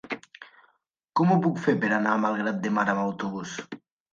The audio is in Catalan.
Com ho puc fer per anar a Malgrat de Mar amb autobús?